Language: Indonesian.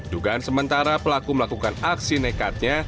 dugaan sementara pelaku melakukan aksi nekatnya